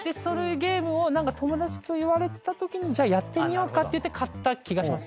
ゲームを友達と言われたときにじゃあやってみようかって言って買った気がします。